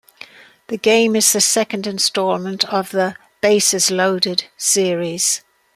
The game is the second installment of the "Bases Loaded" series.